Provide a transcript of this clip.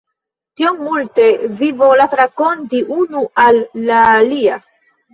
Tiom multe vi volas rakonti unu al la alia.